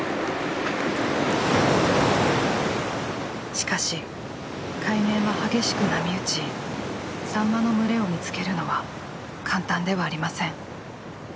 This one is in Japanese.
しかし海面は激しく波打ちサンマの群れを見つけるのは簡単ではありません。